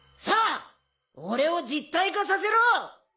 さあ俺を実体化させろ！